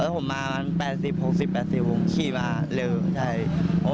ผมมาวัน๘๐๖๐ผมขี้มาเร็ว